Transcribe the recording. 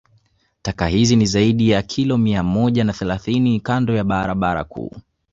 Taka hizi ni zaidi ya kilo mia moja na thelasini kando ya barabara kuu